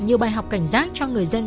nhiều bài học cảnh giác cho người dân